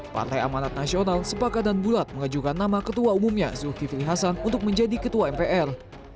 partai amanat nasional sepakat dan bulat mengajukan nama ketua umumnya zulkifli hasan untuk menjadi ketua mpr